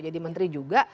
jadi menteri juga